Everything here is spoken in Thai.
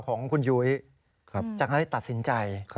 ของคุณยุยจัดเล็กให้ตัดสินใจ